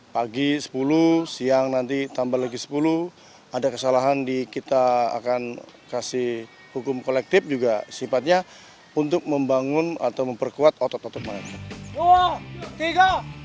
pagi sepuluh siang nanti tambah lagi sepuluh ada kesalahan di kita akan kasih hukum kolektif juga sifatnya untuk membangun atau memperkuat otot otot mereka